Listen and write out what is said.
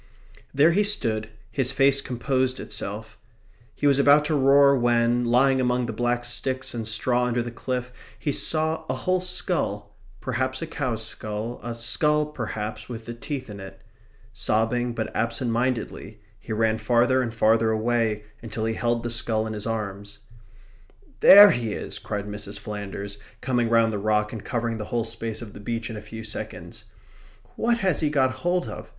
There he stood. His face composed itself. He was about to roar when, lying among the black sticks and straw under the cliff, he saw a whole skull perhaps a cow's skull, a skull, perhaps, with the teeth in it. Sobbing, but absent mindedly, he ran farther and farther away until he held the skull in his arms. "There he is!" cried Mrs. Flanders, coming round the rock and covering the whole space of the beach in a few seconds. "What has he got hold of?